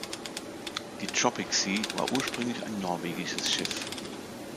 Die "Tropic Sea" war ursprünglich ein norwegisches Schiff.